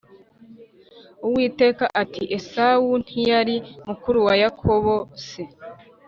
Uwiteka ati “Esawu ntiyari mukuru wa Yakobo se?